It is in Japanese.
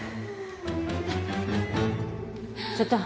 ちょっと。